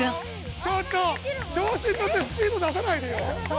ちょっと調子に乗ってスピード出さないでよ。